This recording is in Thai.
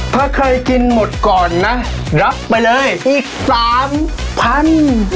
ถ้าเคยกินหมดก่อนนะรับไปเลยอีกสามพัน